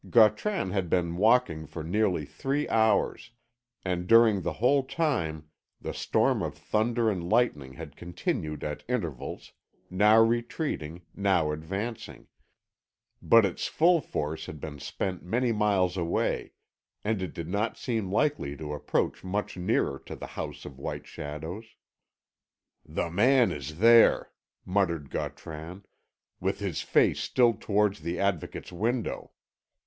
Gautran had been walking for nearly three hours, and during the whole time the storm of thunder and lightning had continued at intervals, now retreating, now advancing; but its full force had been spent many miles away, and it did not seem likely to approach much nearer to the House of White Shadows. "The man is there," muttered Gautran, "with his face still towards the Advocate's window.